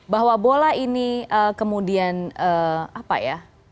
bahwa bola ini kemudian apa ya